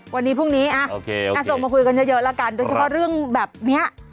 วันนี้พรุ่งนี้ส่งมาคุยกันเยอะแล้วกันโดยเฉพาะเรื่องแบบนี้